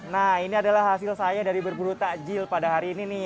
nah ini adalah hasil saya dari berburu takjil pada hari ini nih